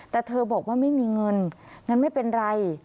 แต่เธอบอกว่าไม่มีเงินงั้นไม่เป็นไร